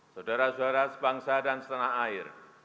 saudara saudara sebangsa dan setanah air